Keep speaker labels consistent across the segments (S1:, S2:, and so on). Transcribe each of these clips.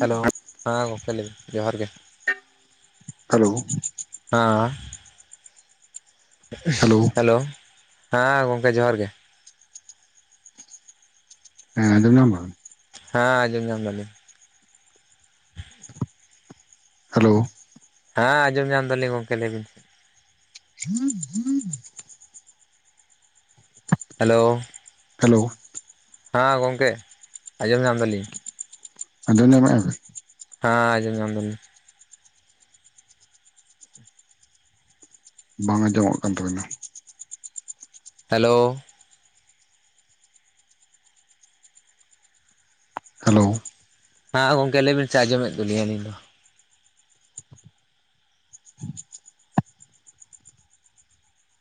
S1: Hello ᱦᱮᱸ ᱜᱚᱝᱠᱮ ᱞᱟᱹᱭ ᱢᱮ ᱡᱚᱦᱟᱨ ᱜᱮ ᱦᱮᱸ
S2: ᱦᱮᱞᱳ
S1: ᱦᱮᱞᱳ ᱦᱮᱸ ᱜᱚᱝᱠᱮ ᱡᱚᱦᱟᱨ ᱜᱮ
S2: ᱦᱮᱸ ᱟᱡᱚᱢ ᱧᱟᱢ
S1: ᱦᱮᱸ ᱟᱡᱚᱢ ᱧᱟᱢ ᱫᱟᱞᱤᱧ
S2: ᱦᱮᱞᱳ
S1: ᱦᱮᱸ ᱡᱚᱢ ᱧᱟᱢ ᱫᱟᱞᱤᱧ ᱜᱚᱝᱠᱮ ᱞᱟᱹᱭᱵᱤᱱ
S2: [unintelligible]
S1: ᱦᱮᱞᱳᱣ
S2: ᱦᱮᱞᱳᱣ
S1: ᱦᱮᱸ ᱜᱚᱝᱠᱮ ᱟᱸᱡᱚᱢ ᱧᱟᱢ ᱫᱟᱞᱤᱧ
S2: ᱟᱡᱚᱢ ᱧᱟᱢᱮᱜ ᱟᱵᱤᱱ
S1: ᱦᱮᱸ ᱡᱚᱢ ᱧᱟᱢ ᱫᱟ ᱞᱤᱧ
S2: ᱵᱟᱝ ᱟᱸᱡᱚᱢᱚᱜ ᱠᱟᱱ ᱛᱟᱵᱮ ᱱᱟ
S1: ᱦᱮᱞᱳ᱾
S2: ᱦᱮᱞᱳ᱾
S1: ᱦᱮᱸ ᱜᱚᱝᱠᱮ ᱞᱟᱹᱭ ᱵᱤᱱ ᱥᱮ ᱟᱸᱡᱚᱢ ᱮᱫ ᱫᱚᱞᱤᱧ ᱟᱹᱞᱤᱧ ᱫᱚ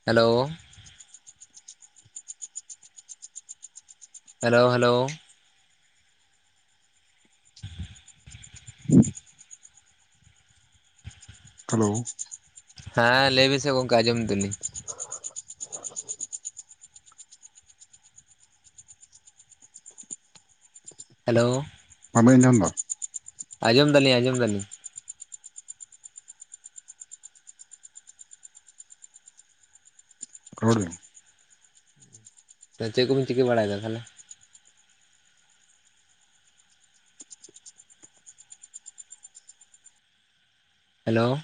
S1: ᱦᱮᱞᱳ᱾ Hello hello.
S2: ᱦᱮᱞᱳ᱾
S1: ᱦᱮᱸ ᱞᱟᱹᱭ ᱵᱤᱱ ᱥᱮ ᱜᱚᱝᱠᱮ ᱟᱸᱡᱚᱢ ᱮᱫ ᱫᱚᱞᱤᱧ ᱦᱮᱞᱳ᱾
S2: ᱵᱟᱵᱮᱱ ᱧᱟᱢ ᱫᱟ
S1: ᱟᱸᱡᱚᱢ ᱫᱟᱞᱤᱧ ᱟᱸᱡᱚᱢ ᱫᱟᱞᱤᱧ᱾
S2: [unintelligible]
S1: ᱛᱚ ᱪᱮᱫ ᱠᱚᱵᱤᱱ ᱪᱤᱠᱟᱹ ᱵᱟᱲᱟᱭᱮᱫᱟ ᱛᱟᱦᱚᱸᱞᱮ? ᱦᱮᱞᱳ᱾